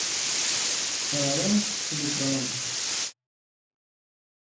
Parabéns polo traballo.